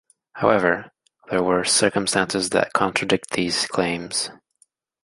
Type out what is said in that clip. However, there were circumstances that contradict these claims.